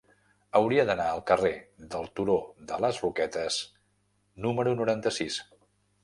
Hauria d'anar al carrer del Turó de les Roquetes número noranta-sis.